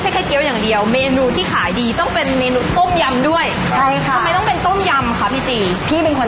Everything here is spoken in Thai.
อ่าสุดท้ายก็เปลี่ยวเป็นเงี้ย